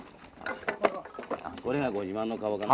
これがご自慢の顔かな。